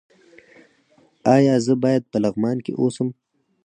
ایا زه باید په لغمان کې اوسم؟